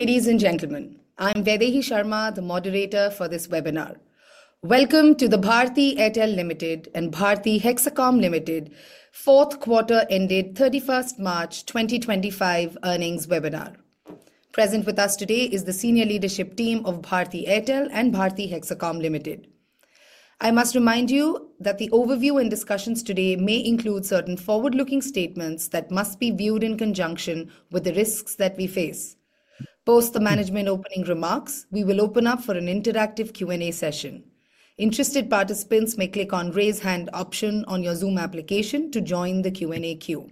Ladies and gentlemen, I'm Vaidehi Sharma, the moderator for this webinar. Welcome to the Bharti Airtel Limited and Bharti Hexacom Limited Fourth Quarter Ended 31 March 2025 Earnings Webinar. Present with us today is the Senior Leadership Team of Bharti Airtel and Bharti Hexacom Limited. I must remind you that the overview and discussions today may include certain forward-looking statements that must be viewed in conjunction with the risks that we face. Post the management opening remarks, we will open up for an interactive Q&A session. Interested participants may click on the raise hand option on your Zoom application to join the Q&A queue.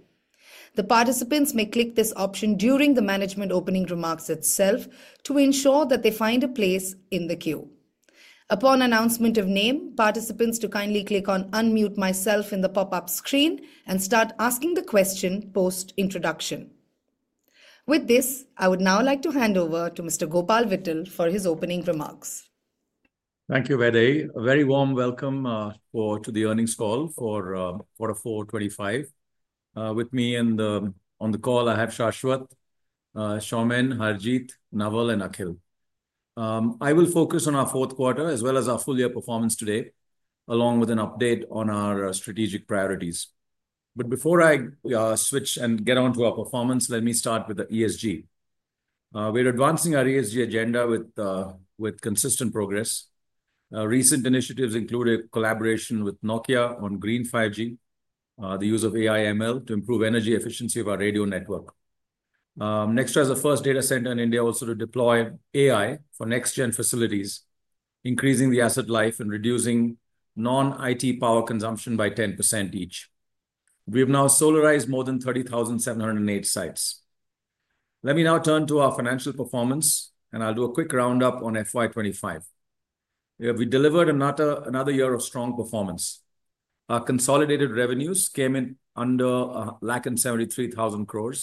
The participants may click this option during the management opening remarks itself to ensure that they find a place in the queue. Upon announcement of name, participants do kindly click on Unmute Myself in the pop-up screen and start asking the question post-introduction. With this, I would now like to hand over to Mr. Gopal Vittal for his opening remarks. Thank you, Vaidehi. A very warm welcome to the earnings call for quarter 4, '25. With me on the call, I have Shashwath, Soumen, Harjeet, Naval, and Akhil. I will focus on our fourth quarter as well as our full-year performance today, along with an update on our strategic priorities. Before I switch and get on to our performance, let me start with the ESG. We are advancing our ESG agenda with consistent progress. Recent initiatives include a collaboration with Nokia on Green 5G, the use of AI/ML to improve energy efficiency of our radio network. Next is the first data center in India also to deploy AI for next-gen facilities, increasing the asset life and reducing non-IT power consumption by 10% each. We have now solarized more than 30,708 sites. Let me now turn to our financial performance, and I will do a quick roundup on FY25. We delivered another year of strong performance. Our consolidated revenues came in under 1,73,000 crore.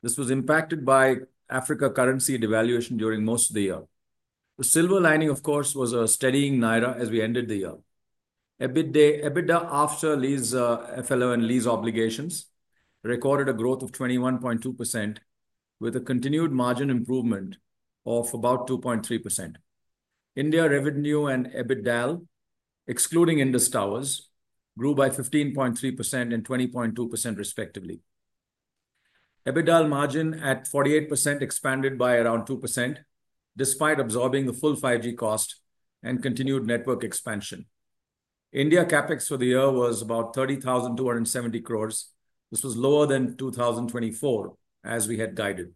This was impacted by Africa currency devaluation during most of the year. The silver lining, of course, was a steadying Naira as we ended the year. EBITDA after FLO and lease obligations recorded a growth of 21.2%, with a continued margin improvement of about 2.3%. India revenue and EBITDA, excluding Indus Towers, grew by 15.3% and 20.2%, respectively. EBITDA margin at 48% expanded by around 2%, despite absorbing the full 5G cost and continued network expansion. India CapEx for the year was about 30,270 crore. This was lower than 2023, as we had guided.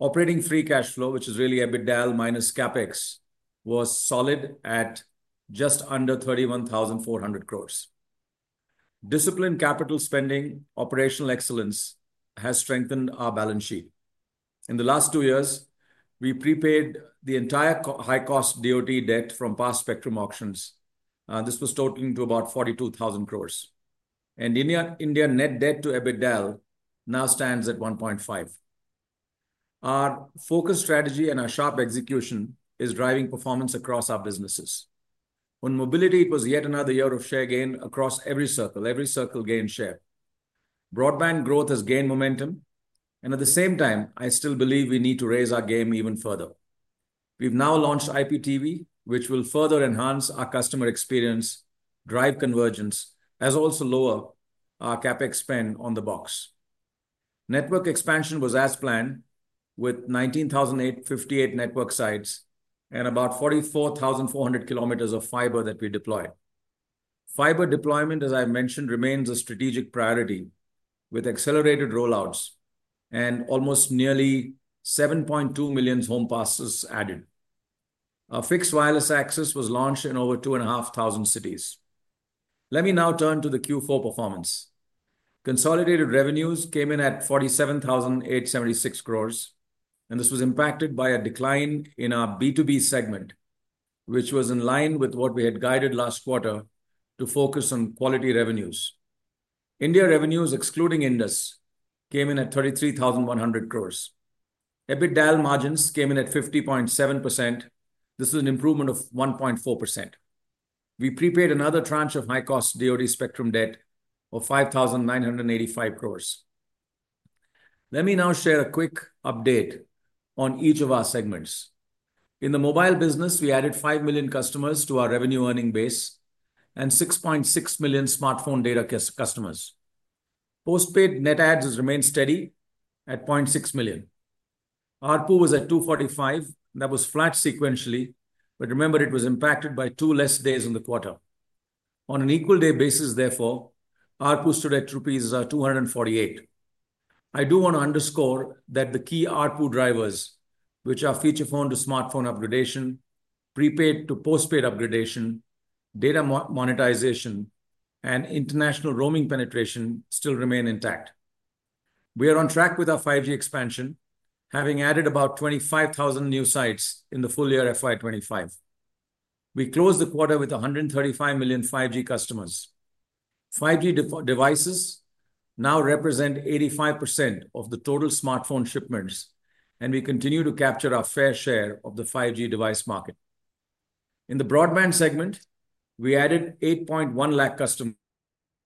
Operating free cash flow, which is really EBITDA minus CapEx, was solid at just under 31,400 crore. Disciplined capital spending, operational excellence, has strengthened our balance sheet. In the last two years, we prepaid the entire high-cost DOT debt from past spectrum auctions. This was totaling to about 42,000 crore. India net debt to EBITDA now stands at 1.5. Our focus, strategy, and our sharp execution is driving performance across our businesses. On mobility, it was yet another year of share gain across every circle. Every circle gained share. Broadband growth has gained momentum. At the same time, I still believe we need to raise our game even further. We have now launched IPTV, which will further enhance our customer experience, drive convergence, as also lower our CapEx spend on the box. Network expansion was as planned, with 19,858 network sites and about 44,400 km of fiber that we deployed. Fiber deployment, as I have mentioned, remains a strategic priority, with accelerated rollouts and almost nearly 7.2 million home passes added. Fixed wireless access was launched in over 2,500 cities. Let me now turn to the Q4 performance. Consolidated revenues came in at 47,876 crore. This was impacted by a decline in our B2B segment, which was in line with what we had guided last quarter to focus on quality revenues. India revenues, excluding Indus Towers, came in at 33,100 crore. EBITDA margins came in at 50.7%. This was an improvement of 1.4%. We prepaid another tranche of high-cost DOT spectrum debt of 5,985 crore. Let me now share a quick update on each of our segments. In the mobile business, we added 5 million customers to our revenue-earning base and 6.6 million smartphone data customers. Postpaid net adds remained steady at 0.6 million. ARPU was at 245. That was flat sequentially. Remember, it was impacted by two less days in the quarter. On an equal-day basis, therefore, ARPU stood at 248 rupees. I do want to underscore that the key ARPU drivers, which are feature phone to smartphone upgradation, prepaid to postpaid upgradation, data monetization, and international roaming penetration, still remain intact. We are on track with our 5G expansion, having added about 25,000 new sites in the full year 2025. We closed the quarter with 135 million 5G customers. 5G devices now represent 85% of the total smartphone shipments, and we continue to capture our fair share of the 5G device market. In the broadband segment, we added 810,000 customers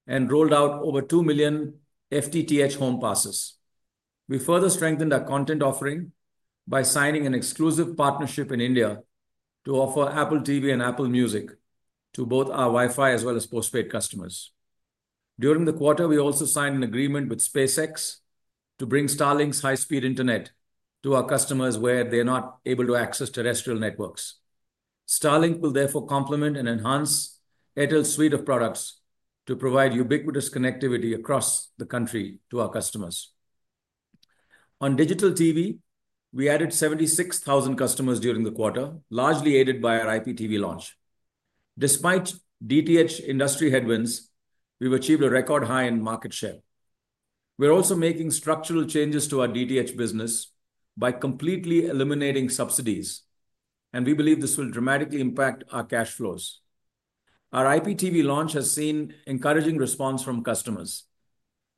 and rolled out over 2 million FTTH home passes. We further strengthened our content offering by signing an exclusive partnership in India to offer Apple TV and Apple Music to both our Wi-Fi as well as postpaid customers. During the quarter, we also signed an agreement with SpaceX to bring Starlink's high-speed internet to our customers where they're not able to access terrestrial networks. Starlink will therefore complement and enhance Airtel's suite of products to provide ubiquitous connectivity across the country to our customers. On digital TV, we added 76,000 customers during the quarter, largely aided by our IPTV launch. Despite DTH industry headwinds, we've achieved a record high in market share. We're also making structural changes to our DTH business by completely eliminating subsidies, and we believe this will dramatically impact our cash flows. Our IPTV launch has seen encouraging response from customers.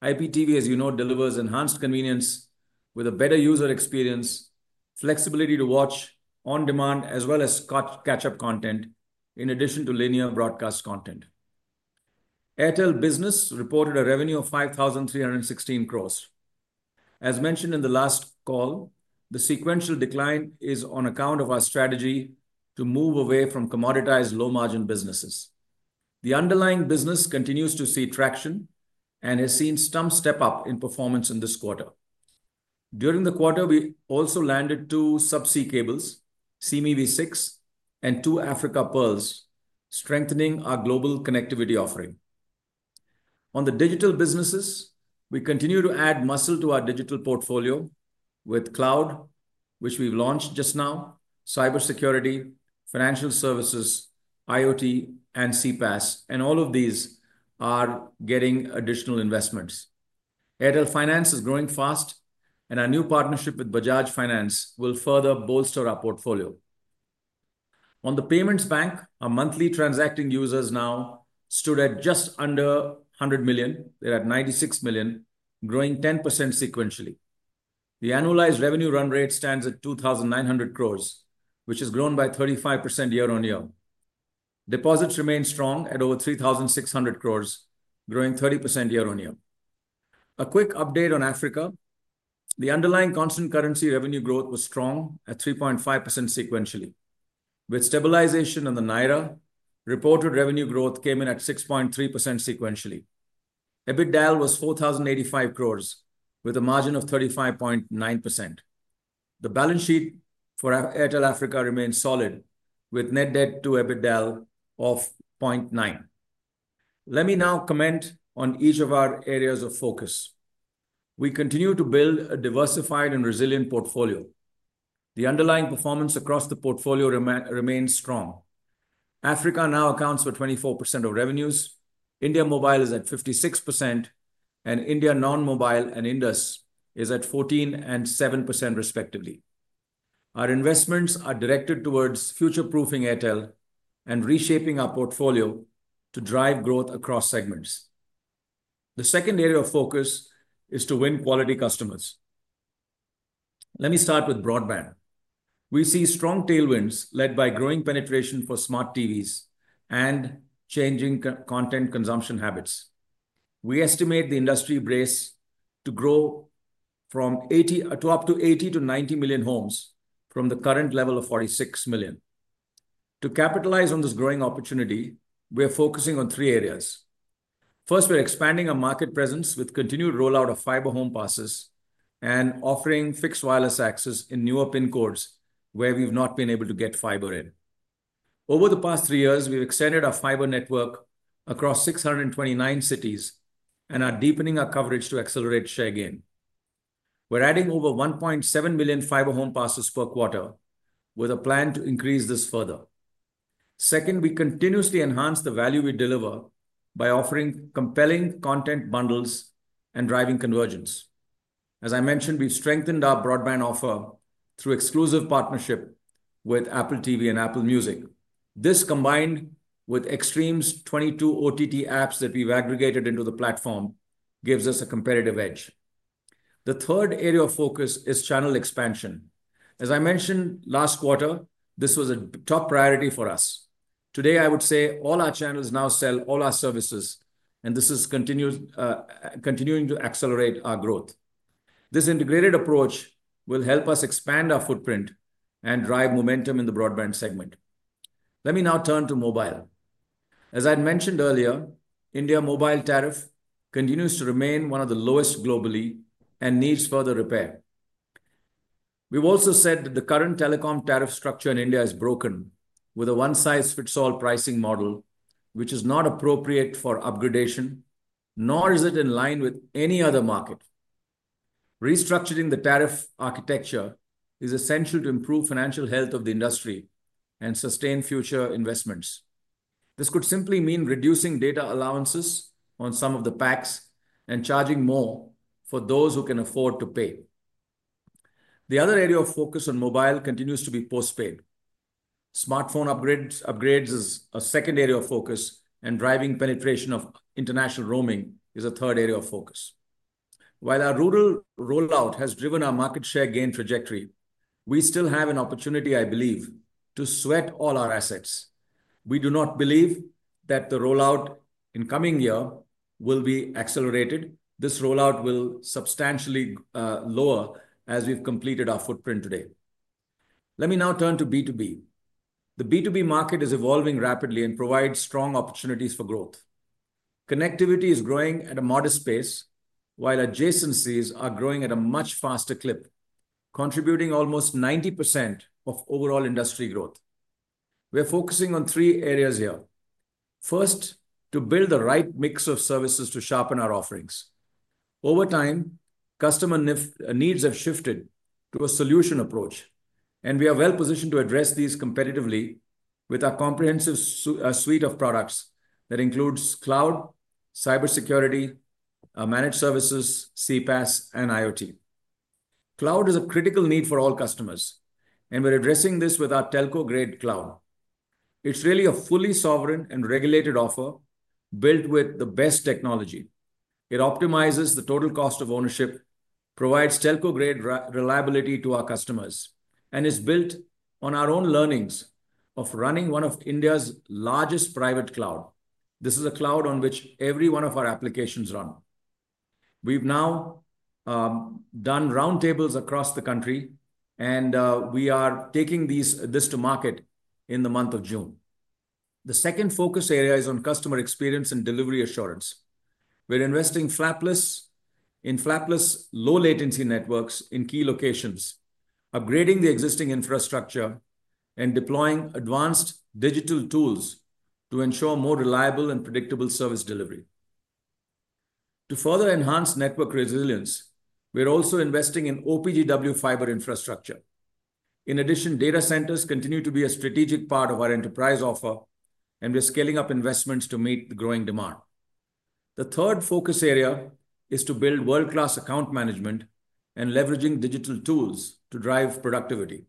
IPTV, as you know, delivers enhanced convenience with a better user experience, flexibility to watch on demand, as well as catch-up content, in addition to linear broadcast content. Airtel business reported a revenue of 5,316 crore. As mentioned in the last call, the sequential decline is on account of our strategy to move away from commoditized low-margin businesses. The underlying business continues to see traction and has seen a step-up in performance in this quarter. During the quarter, we also landed two subsea cables, Simi V6, and two Africa Pearls, strengthening our global connectivity offering. On the digital businesses, we continue to add muscle to our digital portfolio with cloud, which we've launched just now, cybersecurity, financial services, IoT, and CPaaS. All of these are getting additional investments. Airtel Finance is growing fast, and our new partnership with Bajaj Finance will further bolster our portfolio. On the payments bank, our monthly transacting users now stood at just under 100 million. They're at 96 million, growing 10% sequentially. The annualized revenue run rate stands at 2,900 crore, which has grown by 35% year on year. Deposits remain strong at over 3,600 crore, growing 30% year on year. A quick update on Africa. The underlying constant currency revenue growth was strong at 3.5% sequentially. With stabilization on the Naira, reported revenue growth came in at 6.3% sequentially. EBITDA was 4,085 crore, with a margin of 35.9%. The balance sheet for Airtel Africa remains solid, with net debt to EBITDA of 0.9. Let me now comment on each of our areas of focus. We continue to build a diversified and resilient portfolio. The underlying performance across the portfolio remains strong. Africa now accounts for 24% of revenues. India Mobile is at 56%, and India Non-Mobile and Indus is at 14% and 7%, respectively. Our investments are directed towards future-proofing Airtel and reshaping our portfolio to drive growth across segments. The second area of focus is to win quality customers. Let me start with broadband. We see strong tailwinds led by growing penetration for smart TVs and changing content consumption habits. We estimate the industry base to grow from up to 80-90 million homes from the current level of 46 million. To capitalize on this growing opportunity, we are focusing on three areas. First, we're expanding our market presence with continued rollout of fiber home passes and offering fixed wireless access in newer PIN codes where we've not been able to get fiber in. Over the past three years, we've extended our fiber network across 629 cities and are deepening our coverage to accelerate share gain. We're adding over 1.7 million fiber home passes per quarter, with a plan to increase this further. Second, we continuously enhance the value we deliver by offering compelling content bundles and driving convergence. As I mentioned, we've strengthened our broadband offer through exclusive partnership with Apple TV and Apple Music. This, combined with Xstream's 22 OTT apps that we've aggregated into the platform, gives us a competitive edge. The third area of focus is channel expansion. As I mentioned last quarter, this was a top priority for us. Today, I would say all our channels now sell all our services, and this is continuing to accelerate our growth. This integrated approach will help us expand our footprint and drive momentum in the broadband segment. Let me now turn to mobile. As I'd mentioned earlier, India mobile tariff continues to remain one of the lowest globally and needs further repair. We've also said that the current telecom tariff structure in India is broken, with a one-size-fits-all pricing model, which is not appropriate for upgradation, nor is it in line with any other market. Restructuring the tariff architecture is essential to improve financial health of the industry and sustain future investments. This could simply mean reducing data allowances on some of the packs and charging more for those who can afford to pay. The other area of focus on mobile continues to be postpaid. Smartphone upgrades is a second area of focus, and driving penetration of international roaming is a third area of focus. While our rural rollout has driven our market share gain trajectory, we still have an opportunity, I believe, to sweat all our assets. We do not believe that the rollout in coming year will be accelerated. This rollout will substantially lower as we've completed our footprint today. Let me now turn to B2B. The B2B market is evolving rapidly and provides strong opportunities for growth. Connectivity is growing at a modest pace, while adjacencies are growing at a much faster clip, contributing almost 90% of overall industry growth. We're focusing on three areas here. First, to build the right mix of services to sharpen our offerings. Over time, customer needs have shifted to a solution approach, and we are well positioned to address these competitively with our comprehensive suite of products that includes cloud, cybersecurity, managed services, CPaaS, and IoT. Cloud is a critical need for all customers, and we're addressing this with our telco-grade cloud. It's really a fully sovereign and regulated offer built with the best technology. It optimizes the total cost of ownership, provides telco-grade reliability to our customers, and is built on our own learnings of running one of India's largest private clouds. This is a cloud on which every one of our applications run. We've now done roundtables across the country, and we are taking this to market in the month of June. The second focus area is on customer experience and delivery assurance. We're investing in flapless low-latency networks in key locations, upgrading the existing infrastructure, and deploying advanced digital tools to ensure more reliable and predictable service delivery. To further enhance network resilience, we're also investing in OPGW fiber infrastructure. In addition, data centers continue to be a strategic part of our enterprise offer, and we're scaling up investments to meet the growing demand. The third focus area is to build world-class account management and leveraging digital tools to drive productivity.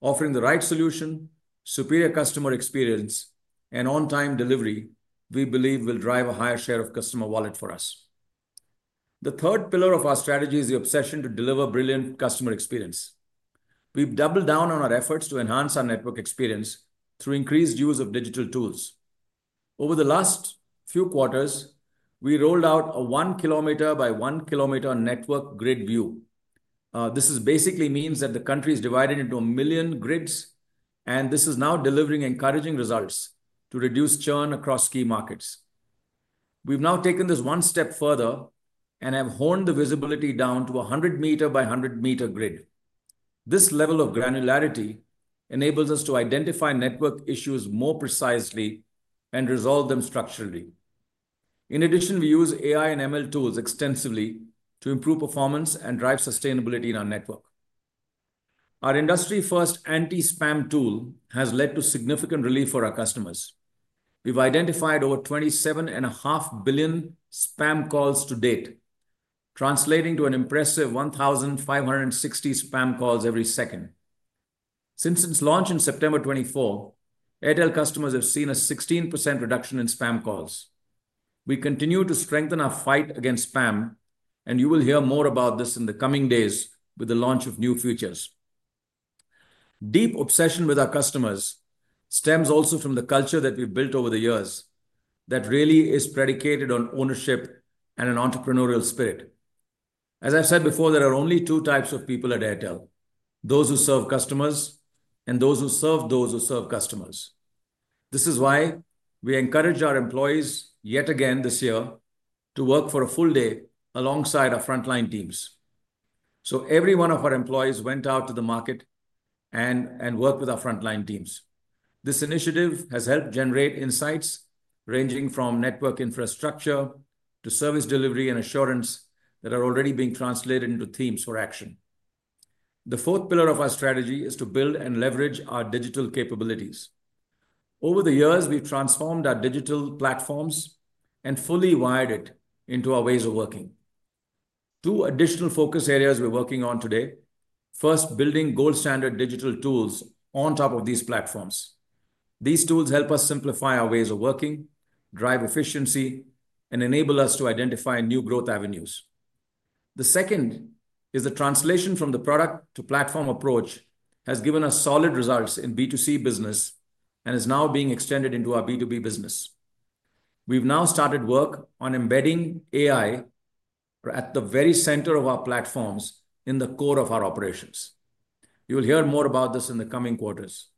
Offering the right solution, superior customer experience, and on-time delivery, we believe will drive a higher share of customer wallet for us. The third pillar of our strategy is the obsession to deliver brilliant customer experience. We've doubled down on our efforts to enhance our network experience through increased use of digital tools. Over the last few quarters, we rolled out a 1 km-by-1 km network grid view. This basically means that the country is divided into a million grids, and this is now delivering encouraging results to reduce churn across key markets. We've now taken this one step further and have honed the visibility down to a 100 m-by-100 m grid. This level of granularity enables us to identify network issues more precisely and resolve them structurally. In addition, we use AI and ML tools extensively to improve performance and drive sustainability in our network. Our industry-first anti-spam tool has led to significant relief for our customers. We've identified over 27.5 billion spam calls to date, translating to an impressive 1,560 spam calls every second. Since its launch in September 2024, Airtel customers have seen a 16% reduction in spam calls. We continue to strengthen our fight against spam, and you will hear more about this in the coming days with the launch of new features. Deep obsession with our customers stems also from the culture that we've built over the years that really is predicated on ownership and an entrepreneurial spirit. As I've said before, there are only two types of people at Airtel: those who serve customers and those who serve those who serve customers. This is why we encourage our employees yet again this year to work for a full day alongside our frontline teams. Every one of our employees went out to the market and worked with our frontline teams. This initiative has helped generate insights ranging from network infrastructure to service delivery and assurance that are already being translated into themes for action. The fourth pillar of our strategy is to build and leverage our digital capabilities. Over the years, we've transformed our digital platforms and fully wired it into our ways of working. Two additional focus areas we're working on today: first, building gold-standard digital tools on top of these platforms. These tools help us simplify our ways of working, drive efficiency, and enable us to identify new growth avenues. The second is the translation from the product-to-platform approach has given us solid results in B2C business and is now being extended into our B2B business. We've now started work on embedding AI at the very center of our platforms in the core of our operations. You'll hear more about this in the coming quarters.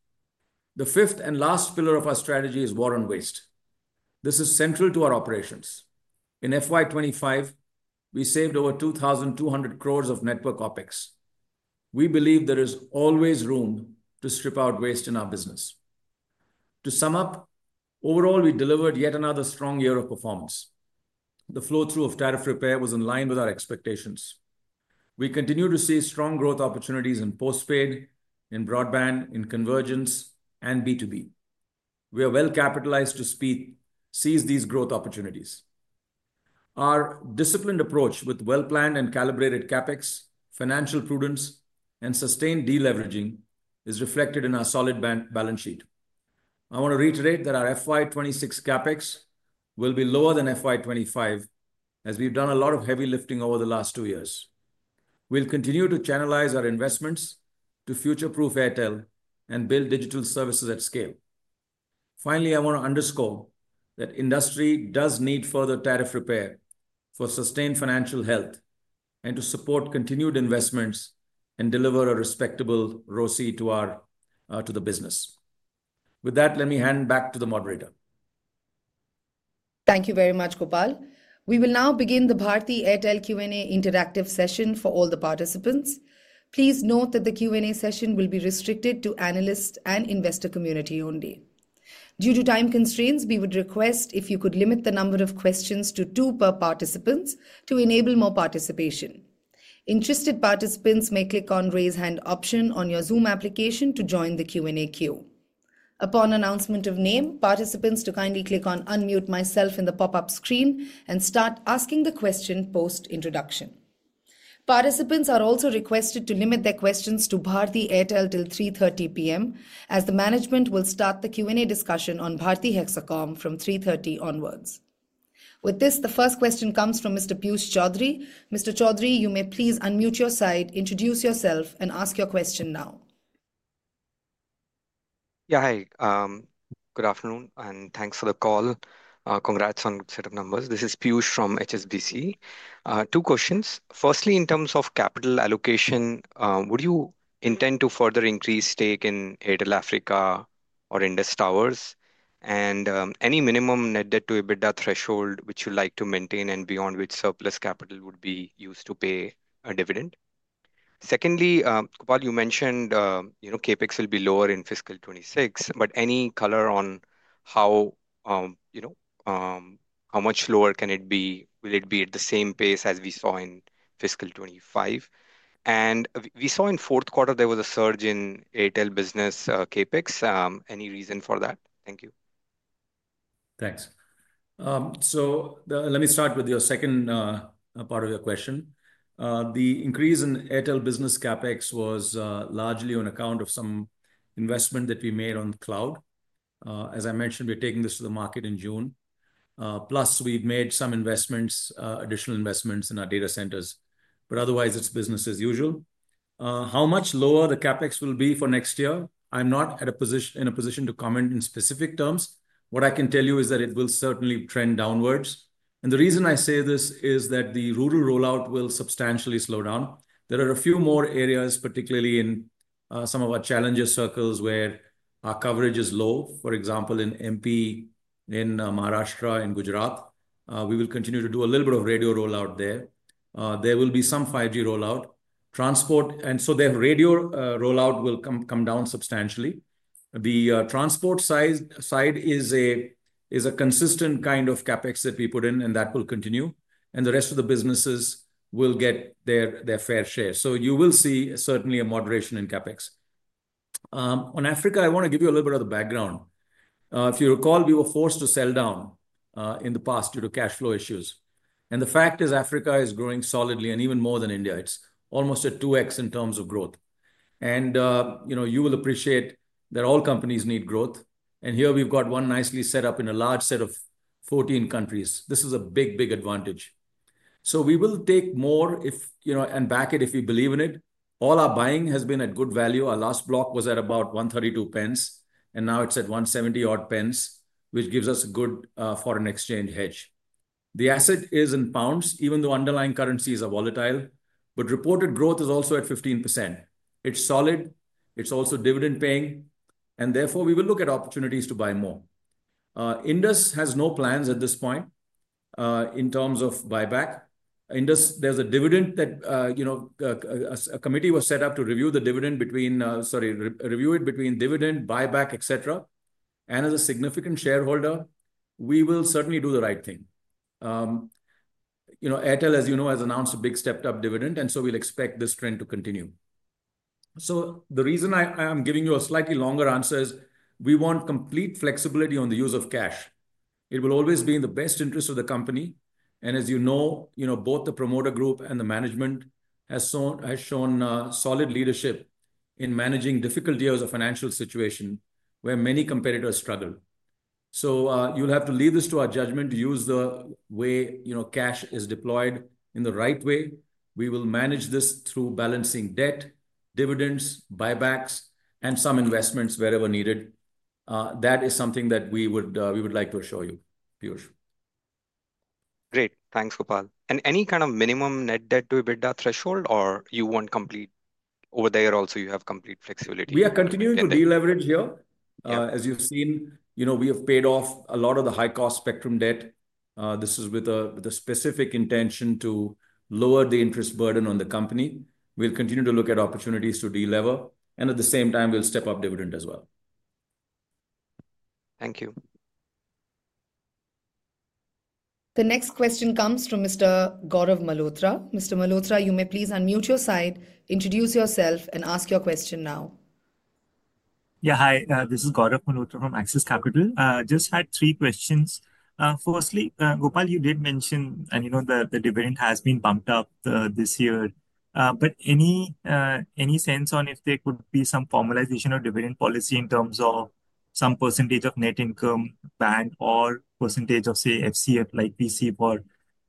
The fifth and last pillar of our strategy is war on waste. This is central to our operations. In FY 2025, we saved over 2,200 crore of network OPEX. We believe there is always room to strip out waste in our business. To sum up, overall, we delivered yet another strong year of performance. The flow-through of tariff repair was in line with our expectations. We continue to see strong growth opportunities in postpaid, in broadband, in convergence, and B2B. We are well capitalized to seize these growth opportunities. Our disciplined approach with well-planned and calibrated CapEx, financial prudence, and sustained deleveraging is reflected in our solid balance sheet. I want to reiterate that our FY 2026 CapEx will be lower than FY 2025, as we've done a lot of heavy lifting over the last two years. We'll continue to channelize our investments to future-proof Airtel and build digital services at scale. Finally, I want to underscore that industry does need further tariff repair for sustained financial health and to support continued investments and deliver a respectable ROSI to the business. With that, let me hand back to the moderator. Thank you very much, Gopal. We will now begin the Bharti Airtel Q&A interactive session for all the participants. Please note that the Q&A session will be restricted to analyst and investor community only. Due to time constraints, we would request if you could limit the number of questions to two per participant to enable more participation. Interested participants may click on the raise hand option on your Zoom application to join the Q&A queue. Upon announcement of name, participants to kindly click on Unmute Myself in the pop-up screen and start asking the question post-introduction. Participants are also requested to limit their questions to Bharti Airtel till 3:30 P.M., as the management will start the Q&A discussion on Bharti Hexacom from 3:30 onwards. With this, the first question comes from Mr. Piyush Choudhary. Mr. Choudhary, you may please unmute your side, introduce yourself, and ask your question now. Yeah, hi. Good afternoon, and thanks for the call. Congrats on set of numbers. This is Piyush from HSBC. Two questions. Firstly, in terms of capital allocation, would you intend to further increase stake in Airtel Africa or Indus Towers? And any minimum net debt to EBITDA threshold which you'd like to maintain and beyond which surplus capital would be used to pay a dividend? Secondly, Gopal, you mentioned CapEx will be lower in fiscal 2026, but any color on how much lower can it be? Will it be at the same pace as we saw in fiscal 2025? And we saw in fourth quarter, there was a surge in Airtel business CapEx. Any reason for that? Thank you. Thanks. Let me start with your second part of your question. The increase in Airtel business CapEx was largely on account of some investment that we made on the cloud. As I mentioned, we're taking this to the market in June. Plus, we've made some additional investments in our data centers. Otherwise, it's business as usual. How much lower the CapEx will be for next year? I'm not in a position to comment in specific terms. What I can tell you is that it will certainly trend downwards. The reason I say this is that the rural rollout will substantially slow down. There are a few more areas, particularly in some of our challenger circles where our coverage is low. For example, in MP, in Maharashtra, in Gujarat, we will continue to do a little bit of radio rollout there. There will be some 5G rollout. Transport, and so their radio rollout will come down substantially. The transport side is a consistent kind of CapEx that we put in, and that will continue. The rest of the businesses will get their fair share. You will see certainly a moderation in CapEx. On Africa, I want to give you a little bit of the background. If you recall, we were forced to sell down in the past due to cash flow issues. The fact is, Africa is growing solidly and even more than India. It's almost a 2x in terms of growth. You will appreciate that all companies need growth. Here, we've got one nicely set up in a large set of 14 countries. This is a big, big advantage. We will take more and back it if we believe in it. All our buying has been at good value. Our last block was at about 1.32, and now it's at 1.70-odd, which gives us a good foreign exchange hedge. The asset is in pounds, even though underlying currencies are volatile. Reported growth is also at 15%. It's solid. It's also dividend-paying. Therefore, we will look at opportunities to buy more. Indus has no plans at this point in terms of buyback. Indus, there's a dividend that a committee was set up to review, sorry, review it between dividend, buyback, etc. As a significant shareholder, we will certainly do the right thing. Airtel, as you know, has announced a big stepped-up dividend, and we will expect this trend to continue. The reason I'm giving you a slightly longer answer is we want complete flexibility on the use of cash. It will always be in the best interest of the company. As you know, both the promoter group and the management have shown solid leadership in managing difficult years of financial situation where many competitors struggle. You will have to leave this to our judgment to use the way cash is deployed in the right way. We will manage this through balancing debt, dividends, buybacks, and some investments wherever needed. That is something that we would like to assure you, Piyush. Great. Thanks, Gopal. Any kind of minimum net debt to EBITDA threshold, or you want complete over there also you have complete flexibility? We are continuing to deleverage here. As you have seen, we have paid off a lot of the high-cost spectrum debt. This is with a specific intention to lower the interest burden on the company. We will continue to look at opportunities to delever. At the same time, we will step up dividend as well. Thank you. The next question comes from Mr. Gaurav Malhotra. Mr. Malhotra, you may please unmute your side, introduce yourself, and ask your question now. Yeah, hi. This is Gaurav Malhotra from Axis Capital. Just had three questions. Firstly, Gopal, you did mention, and you know the dividend has been bumped up this year. Any sense on if there could be some formalization of dividend policy in terms of some percentage of net income band or percentage of, say, FCF like PC for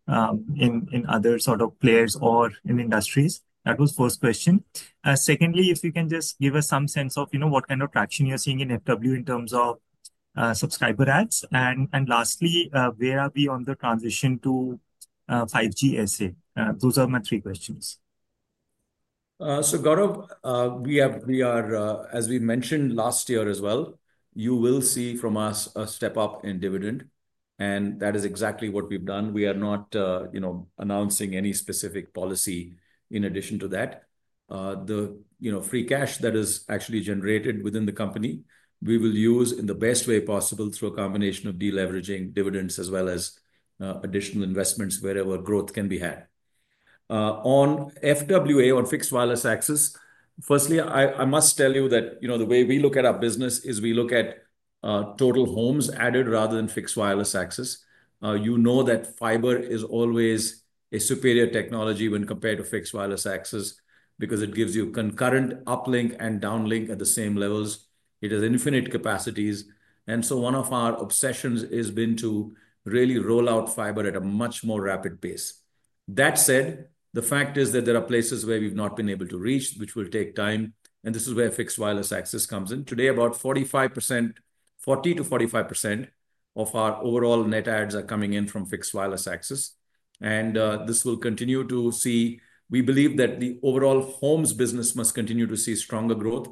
in other sort of players or in industries? That was first question. Secondly, if you can just give us some sense of what kind of traction you're seeing in FW in terms of subscriber ads. Lastly, where are we on the transition to 5G SA? Those are my three questions. Gaurav, we are, as we mentioned last year as well, you will see from us a step up in dividend. That is exactly what we've done. We are not announcing any specific policy in addition to that. The free cash that is actually generated within the company, we will use in the best way possible through a combination of deleveraging, dividends, as well as additional investments wherever growth can be had. On FWA, on fixed wireless access, firstly, I must tell you that the way we look at our business is we look at total homes added rather than fixed wireless access. You know that fiber is always a superior technology when compared to fixed wireless access because it gives you concurrent uplink and downlink at the same levels. It has infinite capacities. One of our obsessions has been to really roll out fiber at a much more rapid pace. That said, the fact is that there are places where we've not been able to reach, which will take time. This is where fixed wireless access comes in. Today, about 40%-45% of our overall net ads are coming in from fixed wireless access. This will continue to see. We believe that the overall homes business must continue to see stronger growth.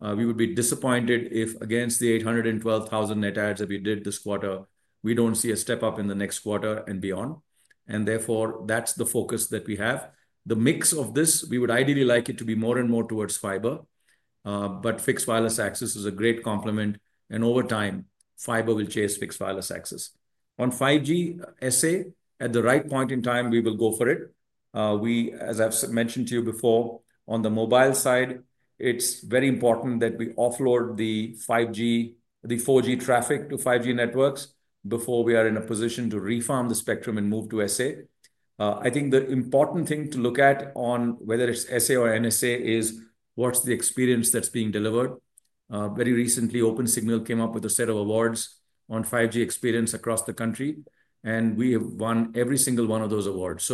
We would be disappointed if against the 812,000 net ads that we did this quarter, we do not see a step up in the next quarter and beyond. Therefore, that is the focus that we have. The mix of this, we would ideally like it to be more and more towards fiber. Fixed wireless access is a great complement. Over time, fiber will chase fixed wireless access. On 5G SA, at the right point in time, we will go for it. As I've mentioned to you before, on the mobile side, it's very important that we offload the 4G traffic to 5G networks before we are in a position to refarm the spectrum and move to SA. I think the important thing to look at on whether it's SA or NSA is what's the experience that's being delivered. Very recently, OpenSignal came up with a set of awards on 5G experience across the country. We have won every single one of those awards.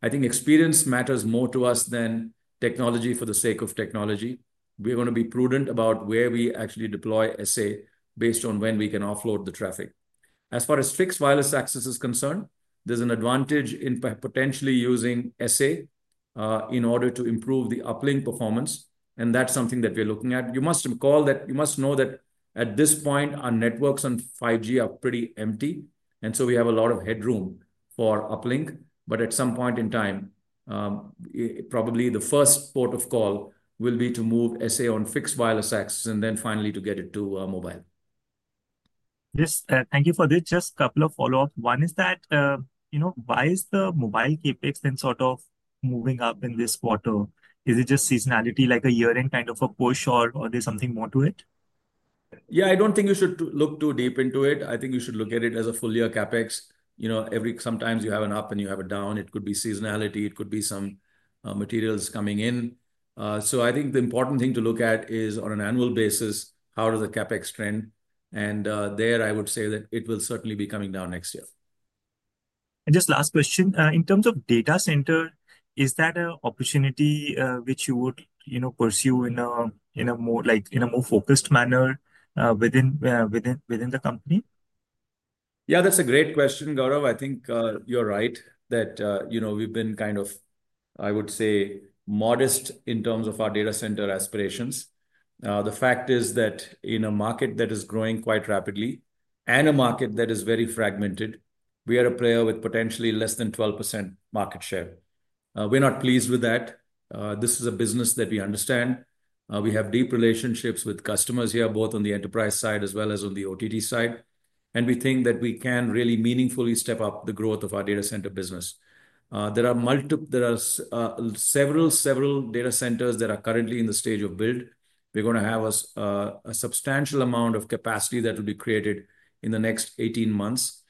I think experience matters more to us than technology for the sake of technology. We're going to be prudent about where we actually deploy SA based on when we can offload the traffic. As far as fixed wireless access is concerned, there's an advantage in potentially using SA in order to improve the uplink performance. That's something that we're looking at. You must recall that you must know that at this point, our networks on 5G are pretty empty. We have a lot of headroom for uplink. At some point in time, probably the first port of call will be to move SA on fixed wireless access and then finally to get it to mobile. Yes, thank you for this. Just a couple of follow-ups. One is that why is the mobile CapEx in sort of moving up in this quarter? Is it just seasonality, like a year-end kind of a push, or is there something more to it? I do not think you should look too deep into it. I think you should look at it as a full year CapEx. Sometimes you have an up and you have a down. It could be seasonality. It could be some materials coming in. I think the important thing to look at is on an annual basis, how does the CapEx trend? There, I would say that it will certainly be coming down next year. Just last question. In terms of data center, is that an opportunity which you would pursue in a more focused manner within the company? Yeah, that's a great question, Gaurav. I think you're right that we've been kind of, I would say, modest in terms of our data center aspirations. The fact is that in a market that is growing quite rapidly and a market that is very fragmented, we are a player with potentially less than 12% market share. We're not pleased with that. This is a business that we understand. We have deep relationships with customers here, both on the enterprise side as well as on the OTT side. We think that we can really meaningfully step up the growth of our data center business. There are several data centers that are currently in the stage of build. We are going to have a substantial amount of capacity that will be created in the next 18 months,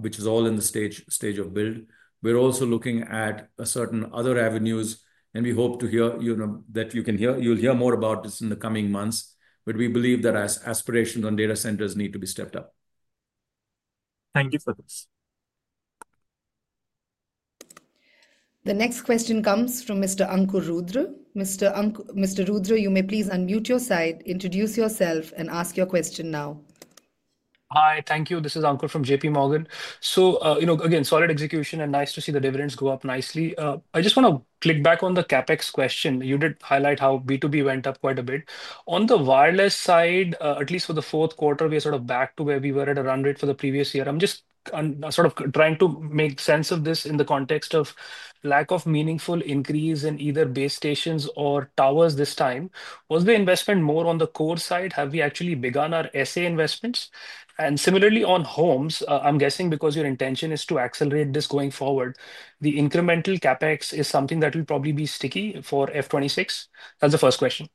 which is all in the stage of build. We are also looking at certain other avenues. We hope to hear that you will hear more about this in the coming months. We believe that aspirations on data centers need to be stepped up. Thank you for this. The next question comes from Mr. Ankur Rudra. Mr. Rudra, you may please unmute your side, introduce yourself, and ask your question now. Hi, thank you. This is Ankur from JP Morgan. Again, solid execution and nice to see the dividends go up nicely. I just want to click back on the CapEx question. You did highlight how B2B went up quite a bit. On the wireless side, at least for the fourth quarter, we are sort of back to where we were at a run rate for the previous year. I'm just sort of trying to make sense of this in the context of lack of meaningful increase in either base stations or towers this time. Was the investment more on the core side? Have we actually begun our SA investments? Similarly on homes, I'm guessing because your intention is to accelerate this going forward, the incremental CapEx is something that will probably be sticky for F2026? That's the first question.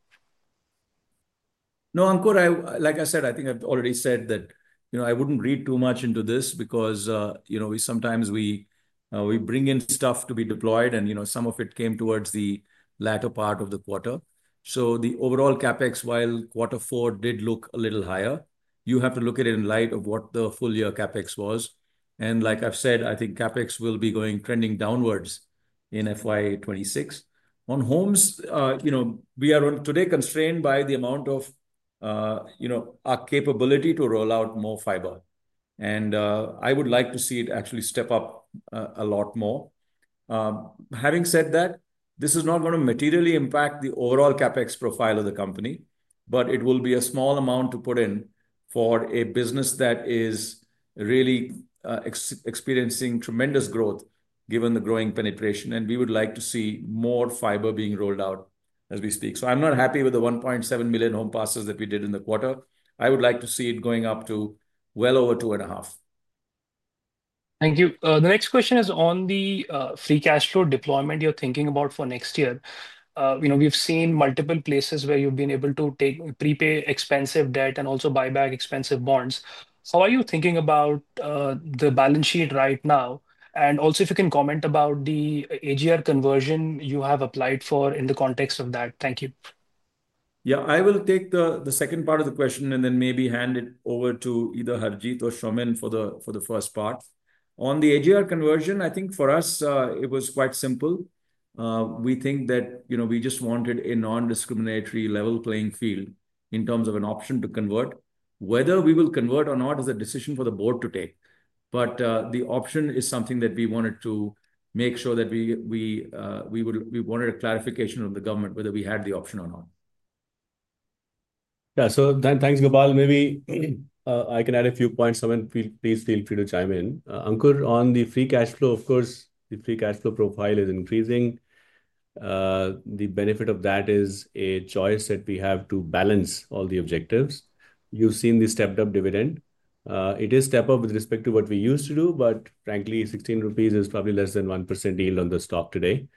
No, Ankur, like I said, I think I've already said that I wouldn't read too much into this because sometimes we bring in stuff to be deployed, and some of it came towards the latter part of the quarter. The overall CapEx, while quarter four did look a little higher, you have to look at it in light of what the full year CapEx was. Like I've said, I think CapEx will be trending downwards in FY2026. On homes, we are today constrained by the amount of our capability to roll out more fiber. I would like to see it actually step up a lot more. Having said that, this is not going to materially impact the overall CapEx profile of the company, but it will be a small amount to put in for a business that is really experiencing tremendous growth given the growing penetration. We would like to see more fiber being rolled out as we speak. I'm not happy with the 1.7 million home passes that we did in the quarter. I would like to see it going up to well over 2.5 million. Thank you. The next question is on the free cash flow deployment you're thinking about for next year. We've seen multiple places where you've been able to prepay expensive debt and also buy back expensive bonds. How are you thinking about the balance sheet right now? Also, if you can comment about the AGR conversion you have applied for in the context of that. Thank you. Yeah, I will take the second part of the question and then maybe hand it over to either Harjeet or Shashwath for the first part. On the AGR conversion, I think for us, it was quite simple. We think that we just wanted a non-discriminatory level playing field in terms of an option to convert. Whether we will convert or not is a decision for the board to take. The option is something that we wanted to make sure that we wanted a clarification of the government, whether we had the option or not. Yeah, thanks, Gopal. Maybe I can add a few points. Please feel free to chime in. Ankur, on the free cash flow, of course, the free cash flow profile is increasing. The benefit of that is a choice that we have to balance all the objectives. You have seen the stepped-up dividend. It is stepped up with respect to what we used to do, but frankly, 16 rupees is probably less than 1% yield on the stock today.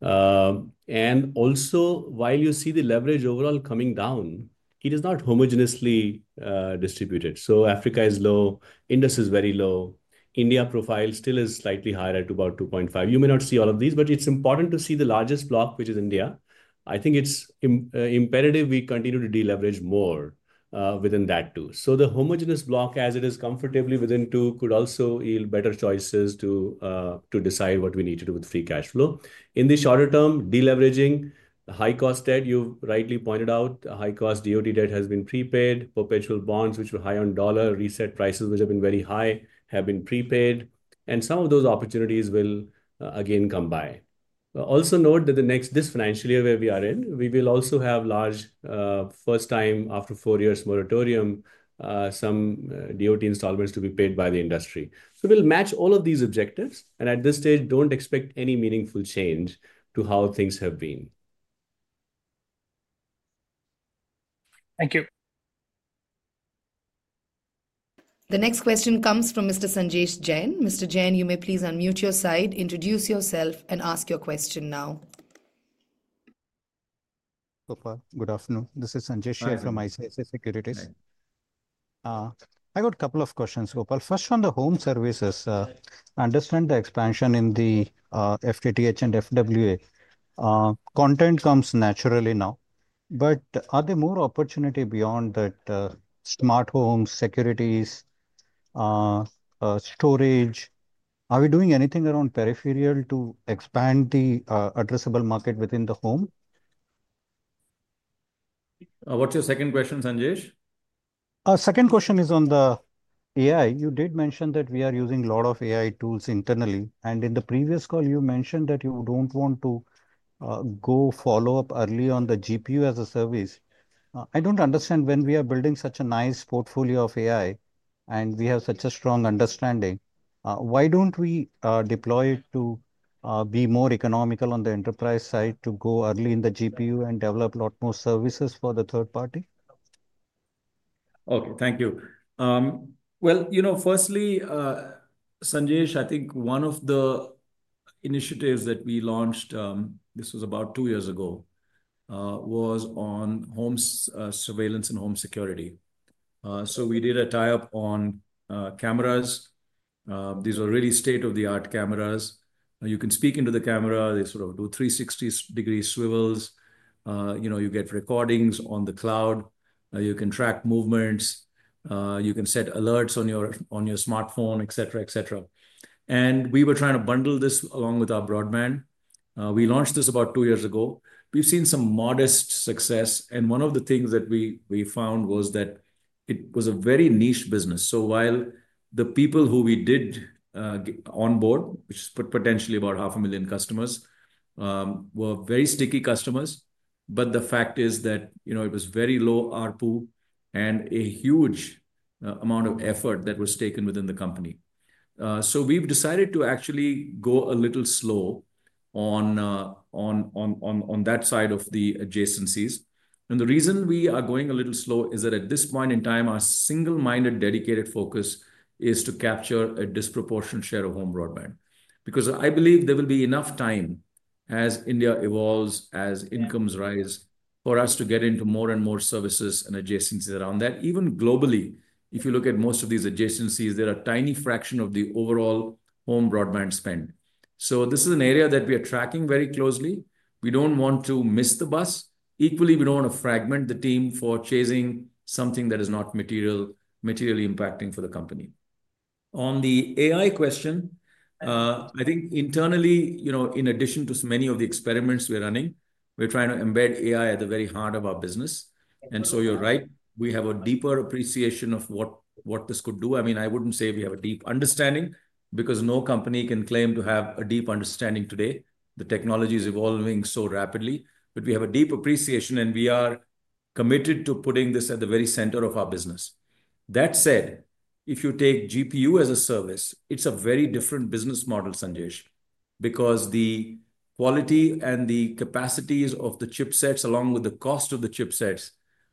Also, while you see the leverage overall coming down, it is not homogenously distributed. Africa is low, India is very low. India profile still is slightly higher at about 2.5. You may not see all of these, but it's important to see the largest block, which is India. I think it's imperative we continue to deleverage more within that too. The homogenous block, as it is comfortably within two, could also yield better choices to decide what we need to do with free cash flow. In the shorter term, deleveraging the high-cost debt, you've rightly pointed out, the high-cost DOD debt has been prepaid, perpetual bonds, which were high on dollar, reset prices, which have been very high, have been prepaid. Some of those opportunities will again come by. Also note that this financial year where we are in, we will also have large, first time after four years moratorium, some DOT installments to be paid by the industry. We will match all of these objectives. At this stage, do not expect any meaningful change to how things have been. Thank you. The next question comes from Mr. Sanjesh Jain. Mr. Jain, you may please unmute your side, introduce yourself, and ask your question now. Gopal, good afternoon. This is Sanjesh Jain from ICS Securities. I got a couple of questions, Gopal. First, on the home services, I understand the expansion in the FTTH and FWA. Content comes naturally now. Are there more opportunities beyond that, smart homes, securities, storage? Are we doing anything around peripheral to expand the addressable market within the home? What is your second question, Sanjesh? Second question is on the AI. You did mention that we are using a lot of AI tools internally. In the previous call, you mentioned that you do not want to go follow up early on the GPU as a service. I do not understand when we are building such a nice portfolio of AI and we have such a strong understanding. Why do we not deploy it to be more economical on the enterprise side to go early in the GPU and develop a lot more services for the third party? Okay, thank you. Firstly, Sanjesh, I think one of the initiatives that we launched, this was about two years ago, was on home surveillance and home security. We did a tie-up on cameras. These are really state-of-the-art cameras. You can speak into the camera. They sort of do 360-degree swivels. You get recordings on the cloud. You can track movements. You can set alerts on your smartphone, et cetera, et cetera. We were trying to bundle this along with our broadband. We launched this about two years ago. We have seen some modest success. One of the things that we found was that it was a very niche business. While the people who we did onboard, which is potentially about 500,000 customers, were very sticky customers, the fact is that it was very low ARPU and a huge amount of effort that was taken within the company. We have decided to actually go a little slow on that side of the adjacencies. The reason we are going a little slow is that at this point in time, our single-minded dedicated focus is to capture a disproportionate share of home broadband. Because I believe there will be enough time as India evolves, as incomes rise, for us to get into more and more services and adjacencies around that. Even globally, if you look at most of these adjacencies, they are a tiny fraction of the overall home broadband spend. This is an area that we are tracking very closely. We do not want to miss the bus. Equally, we do not want to fragment the team for chasing something that is not materially impacting for the company. On the AI question, I think internally, in addition to many of the experiments we are running, we are trying to embed AI at the very heart of our business. You are right. We have a deeper appreciation of what this could do. I mean, I would not say we have a deep understanding because no company can claim to have a deep understanding today. The technology is evolving so rapidly. We have a deep appreciation, and we are committed to putting this at the very center of our business. That said, if you take GPU as a service, it's a very different business model, Sanjesh, because the quality and the capacities of the chipsets, along with the cost of the chipsets,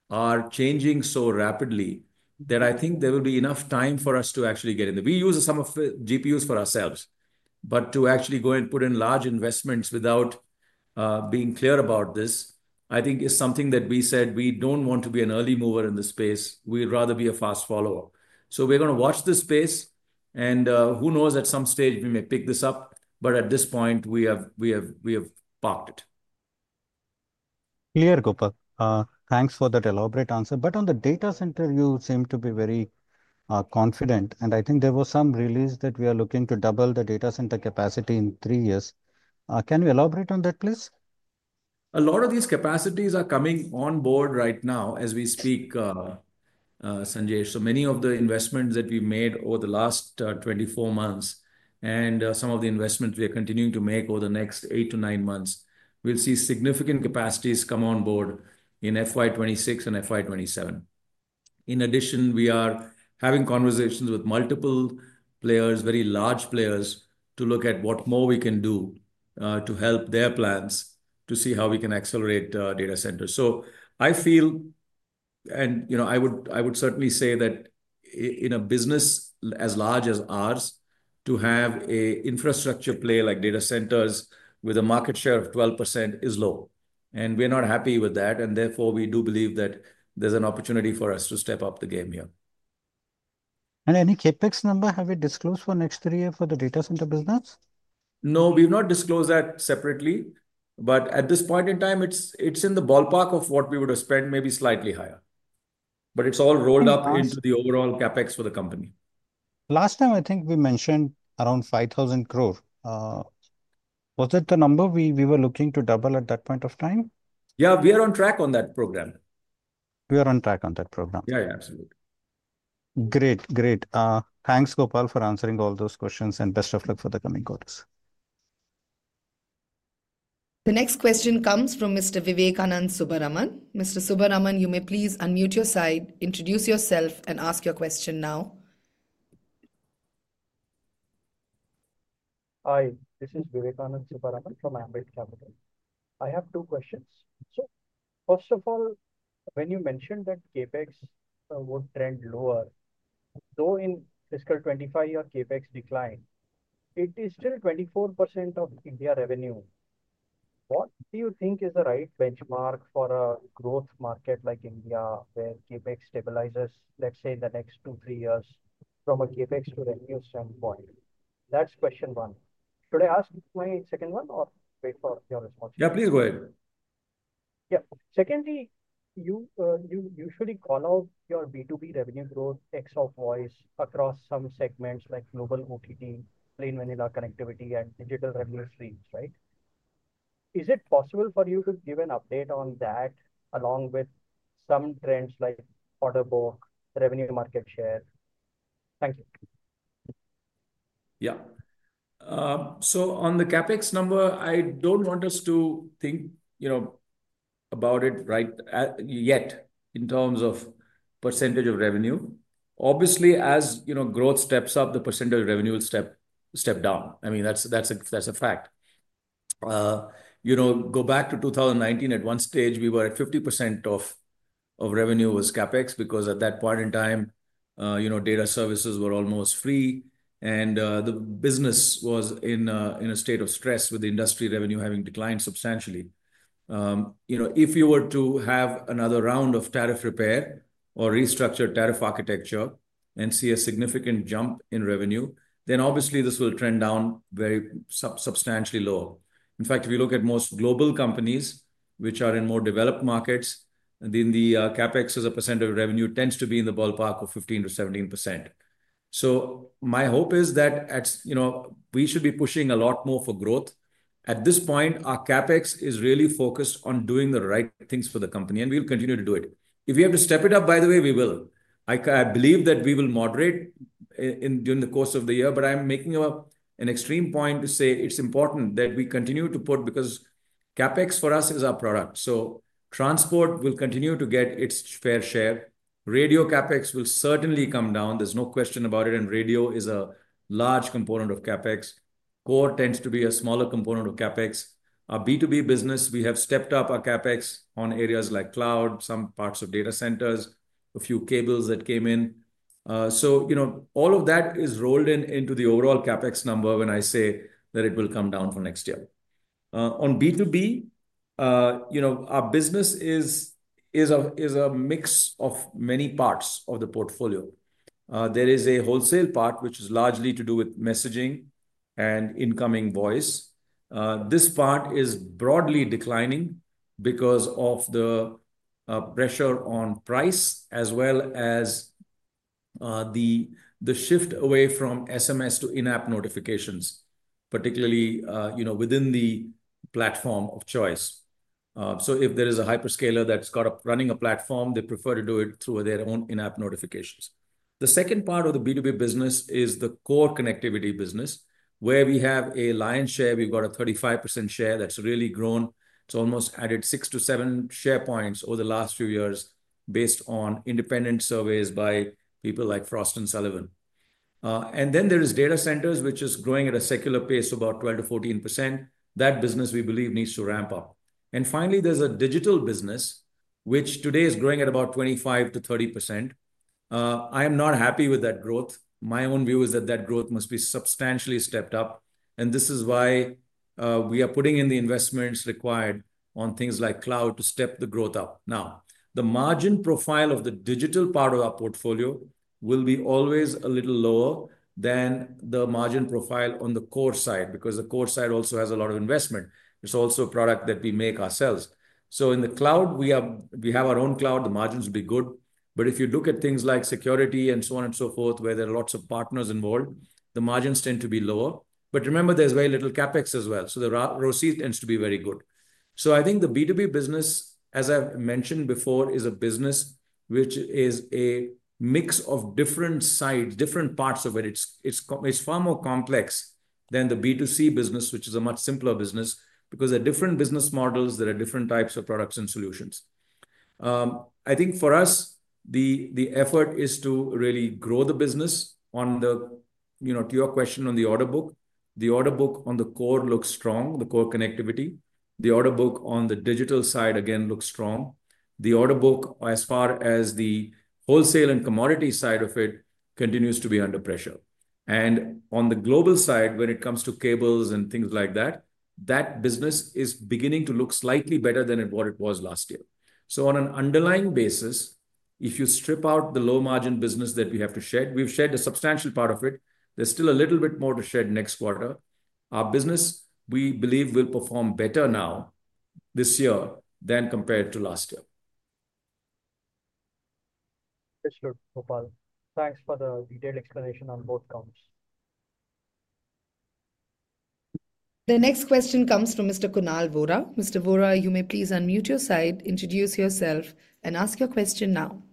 are changing so rapidly that I think there will be enough time for us to actually get in. We use some of GPUs for ourselves. To actually go and put in large investments without being clear about this, I think, is something that we said we don't want to be an early mover in this space. We'd rather be a fast follow-up. We're going to watch this space. Who knows, at some stage, we may pick this up. At this point, we have parked it. Clear, Gopal. Thanks for that elaborate answer. On the data center, you seem to be very confident. I think there was some release that we are looking to double the data center capacity in three years. Can you elaborate on that, please? A lot of these capacities are coming on board right now as we speak, Sanjesh. Many of the investments that we made over the last 24 months and some of the investments we are continuing to make over the next eight to nine months will see significant capacities come on board in FY 2026 and FY 2027. In addition, we are having conversations with multiple players, very large players, to look at what more we can do to help their plans to see how we can accelerate data centers. I feel, and I would certainly say that in a business as large as ours, to have an infrastructure play like data centers with a market share of 12% is low. We are not happy with that. Therefore, we do believe that there is an opportunity for us to step up the game here. Any CapEx number have you disclosed for the next three years for the data center business? No, we have not disclosed that separately. At this point in time, it is in the ballpark of what we would have spent, maybe slightly higher. It is all rolled up into the overall CapEx for the company. Last time, I think we mentioned around 5,000 crore. Was it the number we were looking to double at that point of time? Yeah, we are on track on that program. We are on track on that program. Yeah, absolutely. Great, great. Thanks, Gopal, for answering all those questions and best of luck for the coming quarters. The next question comes from Mr. Vivekanand Subbaraman. Mr. Subbaraman, you may please unmute your side, introduce yourself, and ask your question now. Hi, this is Vivekanand Subbaraman from Ambit Capital. I have two questions. So first of all, when you mentioned that CapEx would trend lower, though in fiscal 2025, your CapEx declined, it is still 24% of India revenue. What do you think is the right benchmark for a growth market like India where CapEx stabilizes, let's say, in the next two, three years from a CapEx to revenue standpoint? That's question one. Should I ask my second one or wait for your response? Yeah, please go ahead. Yeah. Secondly, you usually call out your B2B revenue growth, X of voice across some segments like global OTT, plain vanilla connectivity, and digital revenue streams, right? Is it possible for you to give an update on that along with some trends like order book, revenue market share? Thank you. Yeah. On the CapEx number, I do not want us to think about it right yet in terms of percentage of revenue. Obviously, as growth steps up, the percentage of revenue will step down. I mean, that is a fact. Go back to 2019. At one stage, we were at 50% of revenue was CapEx because at that point in time, data services were almost free. The business was in a state of stress with the industry revenue having declined substantially. If you were to have another round of tariff repair or restructured tariff architecture and see a significant jump in revenue, then obviously, this will trend down very substantially lower. In fact, if you look at most global companies, which are in more developed markets, then the CapEx as a % of revenue tends to be in the ballpark of 15%-17%. My hope is that we should be pushing a lot more for growth. At this point, our CapEx is really focused on doing the right things for the company. We will continue to do it. If we have to step it up, by the way, we will. I believe that we will moderate during the course of the year. I am making an extreme point to say it is important that we continue to put because CapEx for us is our product. Transport will continue to get its fair share. Radio CapEx will certainly come down. There is no question about it. Radio is a large component of CapEx. Core tends to be a smaller component of CapEx. Our B2B business, we have stepped up our CapEx on areas like cloud, some parts of data centers, a few cables that came in. All of that is rolled into the overall CapEx number when I say that it will come down for next year. On B2B, our business is a mix of many parts of the portfolio. There is a wholesale part, which is largely to do with messaging and incoming voice. This part is broadly declining because of the pressure on price as well as the shift away from SMS to in-app notifications, particularly within the platform of choice. If there is a hyperscaler that's got a running a platform, they prefer to do it through their own in-app notifications. The second part of the B2B business is the core connectivity business, where we have a lion's share. We've got a 35% share that's really grown. It's almost added six to seven share points over the last few years based on independent surveys by people like Frost and Sullivan. Then there is data centers, which is growing at a secular pace of about 12%-14%. That business, we believe, needs to ramp up. Finally, there's a digital business, which today is growing at about 25%-30%. I am not happy with that growth. My own view is that that growth must be substantially stepped up. This is why we are putting in the investments required on things like cloud to step the growth up. Now, the margin profile of the digital part of our portfolio will be always a little lower than the margin profile on the core side because the core side also has a lot of investment. It's also a product that we make ourselves. In the cloud, we have our own cloud. The margins will be good. If you look at things like security and so on and so forth, where there are lots of partners involved, the margins tend to be lower. Remember, there's very little CapEx as well. The receipt tends to be very good. I think the B2B business, as I've mentioned before, is a business which is a mix of different sides, different parts of it. It's far more complex than the B2C business, which is a much simpler business because there are different business models, there are different types of products and solutions. I think for us, the effort is to really grow the business. To your question on the order book, the order book on the core looks strong, the core connectivity. The order book on the digital side, again, looks strong. The order book, as far as the wholesale and commodity side of it, continues to be under pressure. On the global side, when it comes to cables and things like that, that business is beginning to look slightly better than what it was last year. On an underlying basis, if you strip out the low-margin business that we have to shed, we've shed a substantial part of it. There's still a little bit more to shed next quarter. Our business, we believe, will perform better now this year than compared to last year. Yes, sure, Gopal. Thanks for the detailed explanation on both counts. The next question comes from Mr. Kuunal Vora. Mr. Vora, you may please unmute your side, introduce yourself, and ask your question now.